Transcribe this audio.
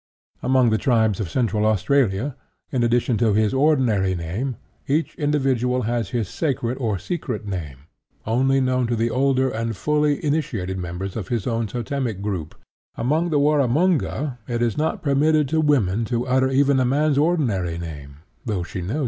Among the tribes of Central Australia, in addition to his ordinary name, each individual has his sacred or secret name, only known to the older and fully initiated members of his own totemic group; among the Warramunga, it is not permitted to women to utter even a man's ordinary name, though she knows it.